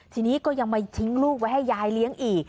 ทีนี้ก็ยังมาทิ้งลูกไว้ให้ยายเลี้ยงอีก